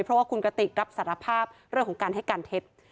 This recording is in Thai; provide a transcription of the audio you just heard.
เพราะว่าคุณกติกรับสารภาพเรื่องของการให้การเท็จ